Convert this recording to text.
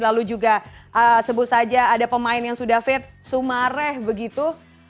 lalu juga sebut saja ada pemain yang sudah fit sumareh begitu